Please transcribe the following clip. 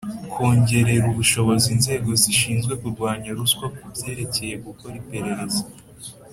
Kongerera ubushobozi inzego zishinzwe kurwanya ruswa ku byerekeye gukora iperereza